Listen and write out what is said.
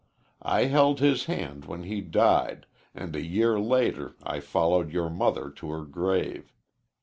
I held his hand when he died, and a year later I followed your mother to her grave.